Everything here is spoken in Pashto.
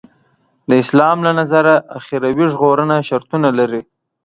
د اسلام له نظره اخروي ژغورنه شرطونه لري.